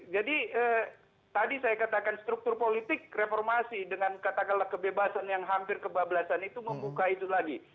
jadi tadi saya katakan struktur politik reformasi dengan katakanlah kebebasan yang hampir kebablasan itu membuka itu lagi